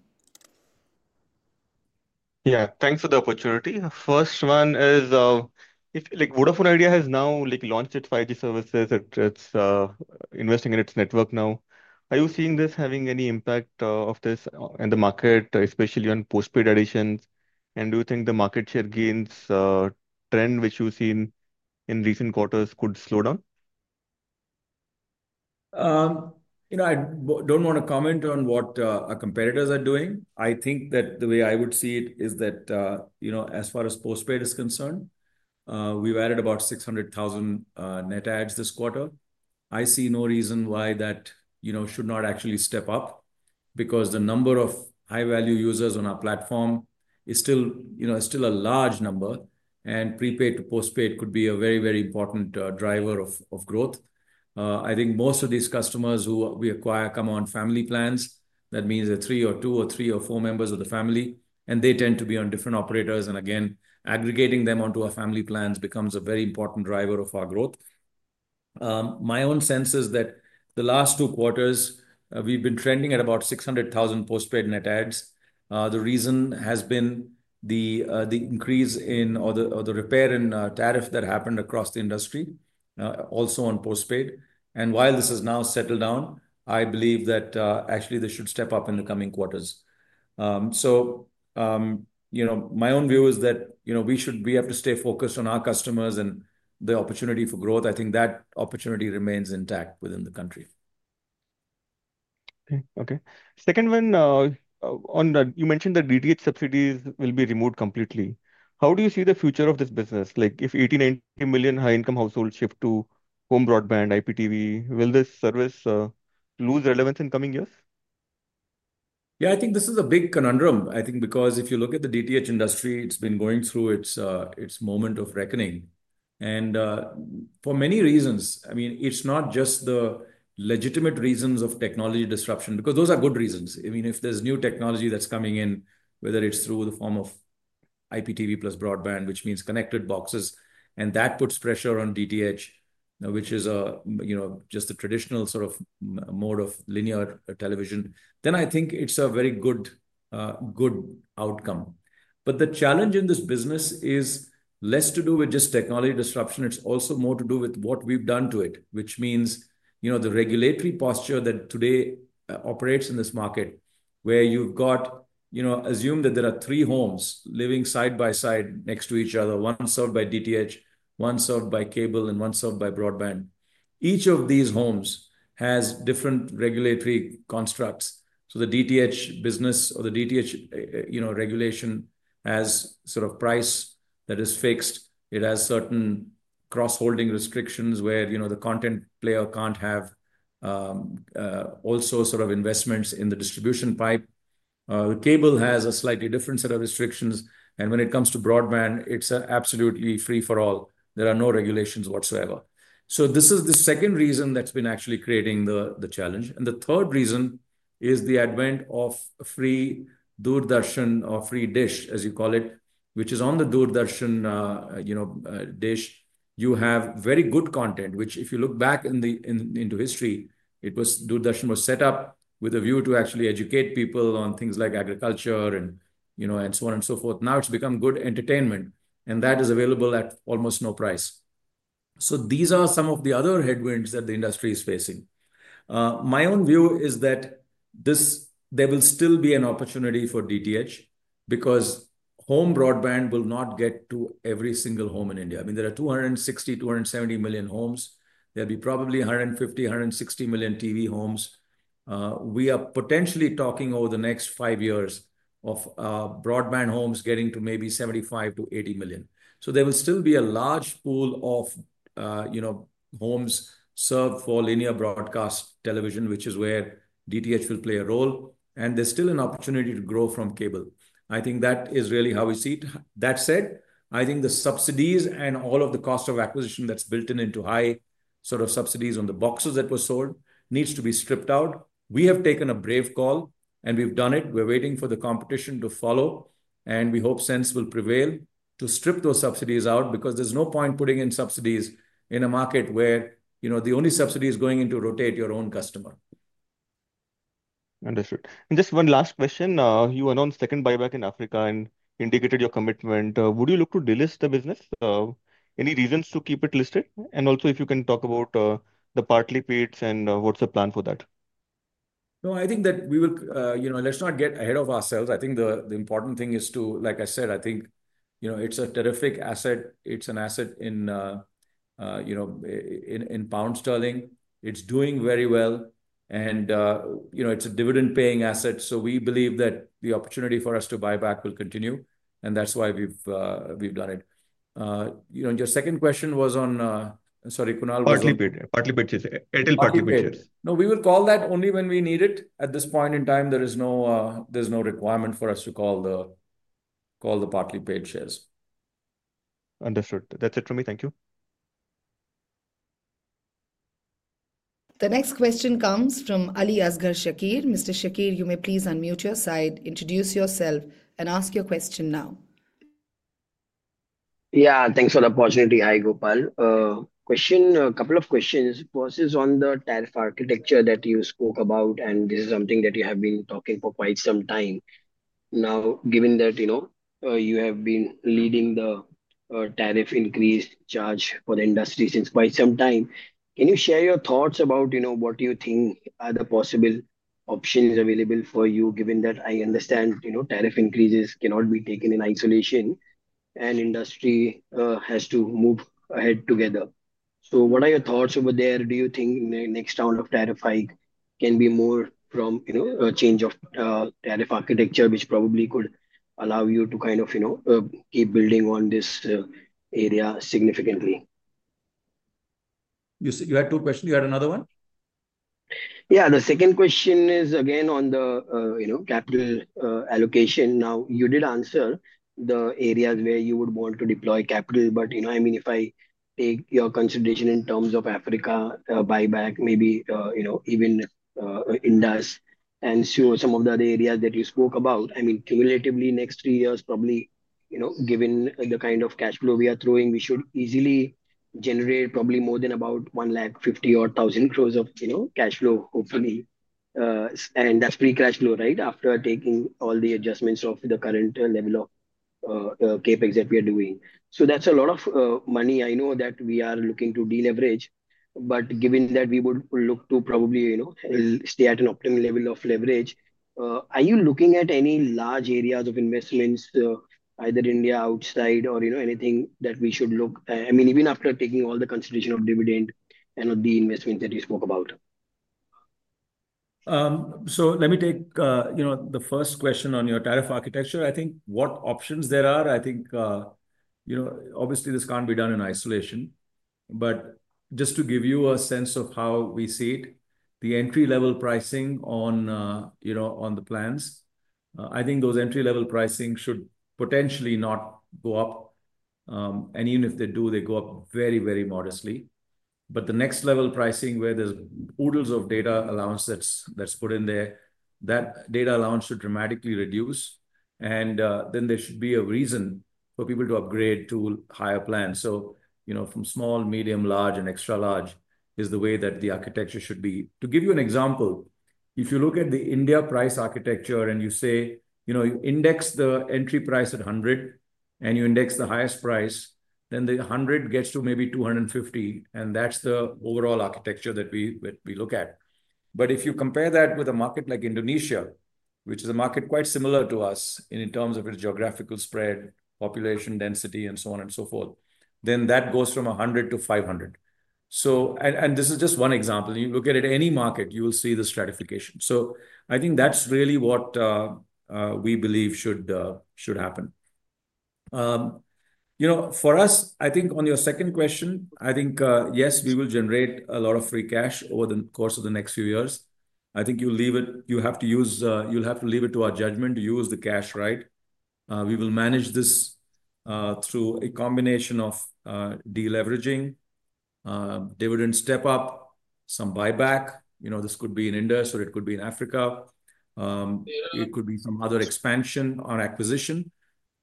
Yeah, thanks for the opportunity. First one is, Vodafone Idea has now launched its 5G services. It's investing in its network now. Are you seeing this having any impact of this in the market, especially on postpaid additions? Do you think the market share gains trend, which you've seen in recent quarters, could slow down? I don't want to comment on what our competitors are doing. I think that the way I would see it is that as far as postpaid is concerned, we've added about 600,000 net adds this quarter. I see no reason why that should not actually step up because the number of high-value users on our platform is still a large number. Prepaid to postpaid could be a very, very important driver of growth. I think most of these customers who we acquire come on family plans. That means there are two or three or four members of the family. They tend to be on different operators. Aggregating them onto our family plans becomes a very important driver of our growth. My own sense is that the last two quarters, we have been trending at about 600,000 postpaid net adds. The reason has been the increase in or the repair in tariff that happened across the industry, also on postpaid. While this has now settled down, I believe that actually they should step up in the coming quarters. So my own view is that we have to stay focused on our customers and the opportunity for growth. I think that opportunity remains intact within the country. Okay. Second one, you mentioned that DTH subsidies will be removed completely. How do you see the future of this business? If 80-90 million high-income households shift to home broadband, IPTV, will this service lose relevance in coming years? Yeah, I think this is a big conundrum. I think because if you look at the DTH industry, it's been going through its moment of reckoning. And for many reasons, I mean, it's not just the legitimate reasons of technology disruption because those are good reasons. I mean, if there's new technology that's coming in, whether it's through the form of IPTV plus broadband, which means connected boxes, and that puts pressure on DTH, which is just the traditional sort of mode of linear television, I think it's a very good outcome. The challenge in this business is less to do with just technology disruption. It's also more to do with what we've done to it, which means the regulatory posture that today operates in this market, where you've got, assume that there are three homes living side by side next to each other, one served by DTH, one served by cable, and one served by broadband. Each of these homes has different regulatory constructs. The DTH business or the DTH regulation has sort of price that is fixed. It has certain cross-holding restrictions where the content player can't have all sorts of investments in the distribution pipe. The cable has a slightly different set of restrictions. When it comes to broadband, it's absolutely free for all. There are no regulations whatsoever. This is the second reason that's been actually creating the challenge. The third reason is the advent of free Doordarshan or free dish, as you call it, which is on the Doordarshan dish. You have very good content, which if you look back into history, Doordarshan was set up with a view to actually educate people on things like agriculture and so on and so forth. Now it's become good entertainment. That is available at almost no price. These are some of the other headwinds that the industry is facing. My own view is that there will still be an opportunity for DTH because home broadband will not get to every single home in India. I mean, there are 260-270 million homes. There will be probably 150-160 million TV homes. We are potentially talking over the next five years of broadband homes getting to maybe 75-80 million. There will still be a large pool of homes served for linear broadcast television, which is where DTH will play a role. There is still an opportunity to grow from cable. I think that is really how we see it. That said, I think the subsidies and all of the cost of acquisition that is built in into high sort of subsidies on the boxes that were sold needs to be stripped out. We have taken a brave call, and we have done it. We are waiting for the competition to follow. We hope sense will prevail to strip those subsidies out because there is no point putting in subsidies in a market where the only subsidy is going into rotate your own customer. Understood. Just one last question. You announced second buyback in Africa and indicated your commitment. Would you look to delist the business? Any reasons to keep it listed? Also, if you can talk about the partly paid and what is the plan for that? No, I think that we will, let's not get ahead of ourselves. I think the important thing is to, like I said, I think it is a terrific asset. It is an asset in pound sterling. It is doing very well. It is a dividend-paying asset. We believe that the opportunity for us to buy back will continue. That is why we have done it. Your second question was on, sorry, Kuunal? Partly paid shares. No, we will call that only when we need it. At this point in time, there is no requirement for us to call the partly paid shares. Understood. That's it for me. Thank you. The next question comes from Ali Asghar Shakir. Mr. Shakir, you may please unmute your side, introduce yourself, and ask your question now. Yeah, thanks for the opportunity. Hi, Gopal. A couple of questions. First is on the tariff architecture that you spoke about. And this is something that you have been talking for quite some time. Now, given that you have been leading the tariff increase charge for the industry since quite some time, can you share your thoughts about what you think are the possible options available for you, given that I understand tariff increases cannot be taken in isolation and industry has to move ahead together? What are your thoughts over there? Do you think the next round of tariff hike can be more from a change of tariff architecture, which probably could allow you to kind of keep building on this area significantly? You had two questions. You had another one? Yeah, the second question is, again, on the capital allocation. Now, you did answer the areas where you would want to deploy capital. I mean, if I take your consideration in terms of Africa buyback, maybe even Indus, and some of the other areas that you spoke about, I mean, cumulatively, next three years, probably given the kind of cash flow we are throwing, we should easily generate probably more than about 150 crore or 1,000 crore of cash flow, hopefully. And that's free cash flow, right, after taking all the adjustments of the current level of CapEx that we are doing. That is a lot of money. I know that we are looking to deleverage. But given that we would look to probably stay at an optimal level of leverage, are you looking at any large areas of investments, either India outside or anything that we should look at? I mean, even after taking all the consideration of dividend and of the investment that you spoke about. So let me take the first question on your tariff architecture. I think what options there are, I think obviously this can't be done in isolation. But just to give you a sense of how we see it, the entry-level pricing on the plans, I think those entry-level pricing should potentially not go up. And even if they do, they go up very, very modestly. But the next-level pricing where there's oodles of data allowance that's put in there, that data allowance should dramatically reduce. There should be a reason for people to upgrade to higher plans. From small, medium, large, and extra large is the way that the architecture should be. To give you an example, if you look at the India price architecture and you say you index the entry price at 100 and you index the highest price, then the 100 gets to maybe 250. That is the overall architecture that we look at. If you compare that with a market like Indonesia, which is a market quite similar to us in terms of its geographical spread, population density, and so on and so forth, then that goes from 100 to 500. This is just one example. You look at any market, you will see the stratification. I think that is really what we believe should happen. For us, I think on your second question, I think, yes, we will generate a lot of free cash over the course of the next few years. I think you have to use, you have to leave it to our judgment to use the cash, right? We will manage this through a combination of deleveraging, dividend step-up, some buyback. This could be in Indus, or it could be in Africa. It could be some other expansion or acquisition.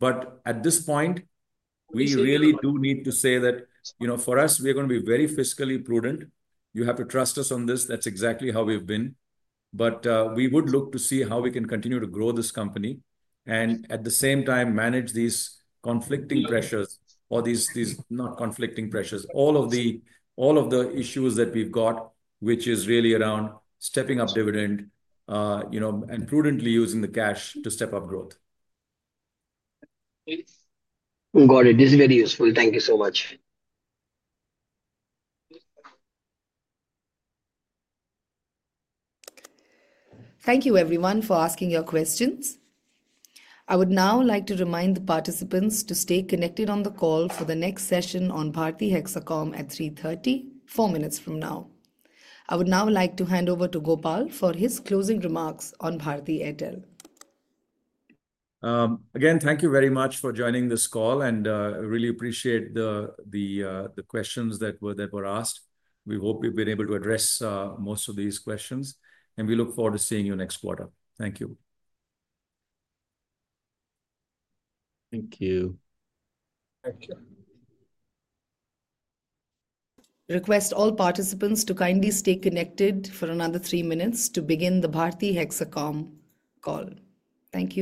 At this point, we really do need to say that for us, we are going to be very fiscally prudent. You have to trust us on this. That's exactly how we've been. We would look to see how we can continue to grow this company and at the same time manage these conflicting pressures, or these not conflicting pressures, all of the issues that we've got, which is really around stepping up dividend and prudently using the cash to step up growth. Got it. This is very useful. Thank you so much. Thank you, everyone, for asking your questions. I would now like to remind the participants to stay connected on the call for the next session on Bharti Hexacom at 3:30 P.M., four minutes from now. I would now like to hand over to Gopal for his closing remarks on Bharti Airtel. Again, thank you very much for joining this call. I really appreciate the questions that were asked. We hope we've been able to address most of these questions. We look forward to seeing you next quarter. Thank you. Request all participants to kindly stay connected for another three minutes to begin the Bharti Hexacom call. Thank you.